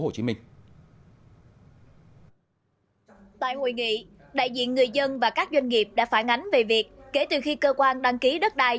tại hội nghị đại diện người dân và các doanh nghiệp đã phản ánh về việc kể từ khi cơ quan đăng ký đất đai